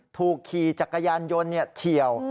ขี่จักรยานยนต์เฉียว